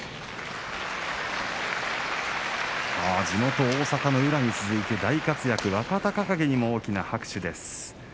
地元・大阪の宇良に続いて若隆景にも大きな拍手です。